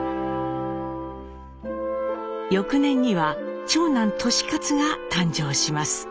翌年には長男・利勝が誕生します。